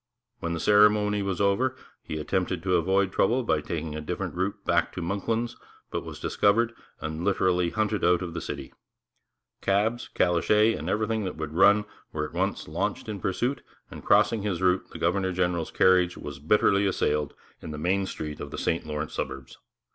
When the ceremony was over he attempted to avoid trouble by taking a different route back to 'Monklands,' but he was discovered, and literally hunted out of the city. 'Cabs, calèches, and everything that would run were at once launched in pursuit, and crossing his route, the governor general's carriage was bitterly assailed in the main street of the St Lawrence suburbs.